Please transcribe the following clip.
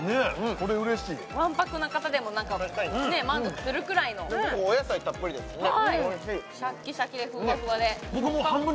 これ嬉しいわんぱくな方でも満足するくらいのお野菜たっぷりですしねおいしいシャッキシャキでふわふわでえっ！？